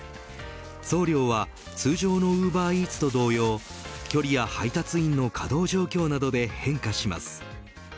送料は通常のウーバーイーツと同様距離や配達員の稼働状況などで変化します。